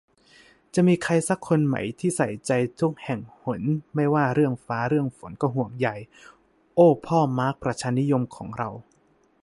"จะมีสักคนไหมที่ใส่ใจทุกแห่งหนไม่ว่าเรื่องฟ้าเรื่องฝนก็ห่วงใย" โอ้พ่อมาร์คประชานิยมของเรา